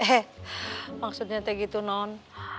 eh maksudnya kayak gitu non